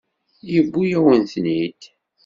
Yewwi-yawen-ten-id.